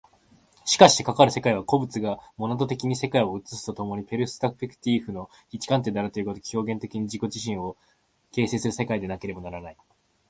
しかしてかかる世界は、個物がモナド的に世界を映すと共にペルスペクティーフの一観点であるという如き、表現的に自己自身を形成する世界でなければならない。